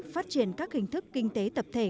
phát triển các hình thức kinh tế tập thể